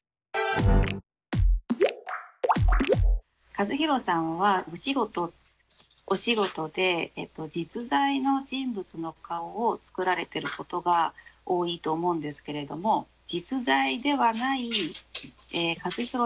カズ・ヒロさんはお仕事で実在の人物の顔を作られてることが多いと思うんですけれども実在ではないカズ・ヒロさん